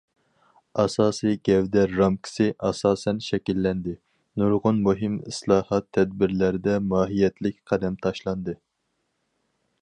ئاساسىي گەۋدە رامكىسى ئاساسەن شەكىللەندى، نۇرغۇن مۇھىم ئىسلاھات تەدبىرلەردە ماھىيەتلىك قەدەم تاشلاندى.